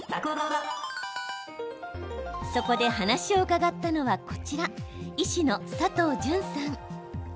そこで話を伺ったのは、こちら医師の佐藤純さん。